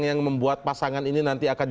yang membuat pasangan ini nanti akan